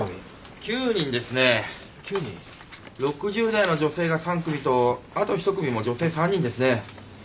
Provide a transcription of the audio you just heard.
６０代の女性が３組とあと１組も女性３人ですね。